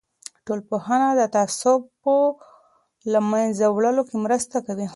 ټولنپوهنه د تعصب په له منځه وړلو کې مرسته کوي.